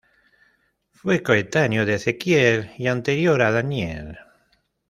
Fue coetáneo de Ezequiel y anterior a Daniel.